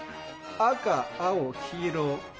赤青黄色。